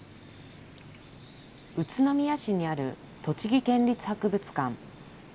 宇都宮市にある栃木県立博物館。